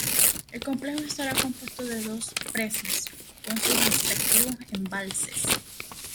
El complejo estará compuesto de dos presas con sus respectivos embalses.